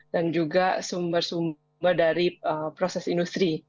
dan juga sumber sumber dari proses industri